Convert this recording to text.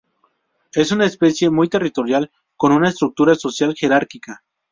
Es una especie muy territorial, con una estructura social jerárquica.